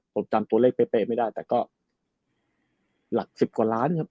ผมจำตัวเลขเป๊ะไม่ได้แต่ก็หลักสิบกว่าล้านครับ